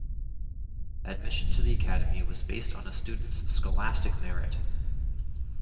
Admission to the Academy was based on a student's scholastic merit.